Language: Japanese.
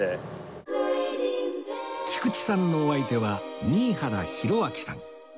菊池さんのお相手は新原浩朗さん